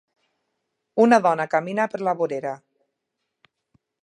Una dona camina per la vorera.